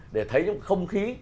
để thấy những không khí